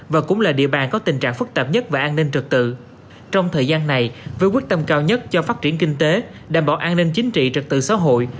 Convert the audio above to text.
với quyết tâm cao nhất cho phát triển kinh tế đảm bảo an ninh chính trị trực tự xã hội